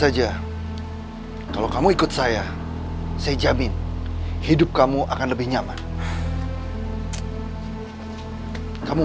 ya udah deh pak